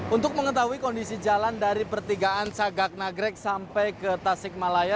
untuk mengetahui kondisi jalan dari pertigaan sagak nagrek sampai ke tasik malaya